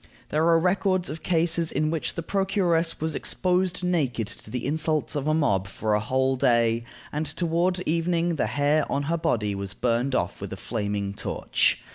There are records of cases in which the procuress was exposed naked to the insults of the mob for a whole day, and toward evening the hair on her body was burned off with a flaming torch.